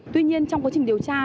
tuy nhiên trong quá trình điều tra